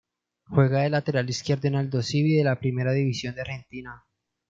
Juega de lateral izquierdo en Aldosivi de la Primera División de Argentina.